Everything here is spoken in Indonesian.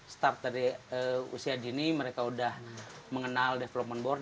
start dari usia dini mereka sudah mengenal development board